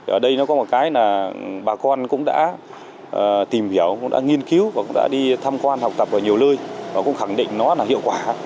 ở đây có một cái là bà con cũng đã tìm hiểu cũng đã nghiên cứu cũng đã đi thăm quan học tập ở nhiều lơi và cũng khẳng định nó là hiệu quả